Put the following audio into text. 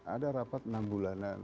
ada rapat enam bulanan